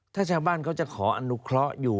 ถ้าชาวบ้านเขาจะขออนุเคราะห์อยู่